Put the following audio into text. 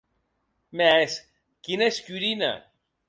Mès quina escurina!